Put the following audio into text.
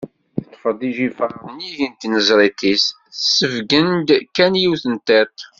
Teṭṭef ijifer nnig n tinezrt-is, tessebgan-d kan yiwet n tiṭ.